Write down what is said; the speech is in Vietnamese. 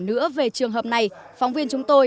nữa về trường hợp này phóng viên chúng tôi